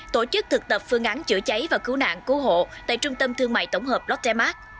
tổ chức thực tập phương án chữa cháy và cứu nạn cứu hộ tại trung tâm thương mại tổng hợp lotte mark